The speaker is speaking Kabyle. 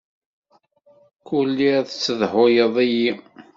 Kul iḍ tessedhuyeḍ-iyi.